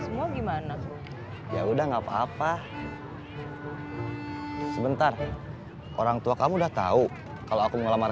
semua gimana ya udah gak apa apa sebentar orang tua kamu udah tahu kalau aku ngelamar